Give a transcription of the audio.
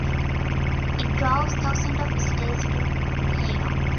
It draws thousands of visitors to Heino.